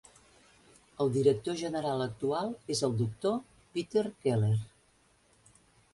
El director general actual és el Doctor Peter Keller.